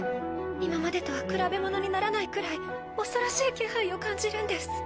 今までとは比べ物にならないくらい恐ろしい気配を感じるんです。